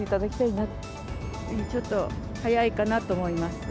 まだちょっと早いかなと思います。